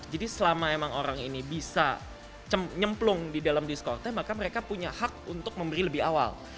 jadi selama emang orang ini bisa nyemplung di dalam discordnya maka mereka punya hak untuk memberi lebih awal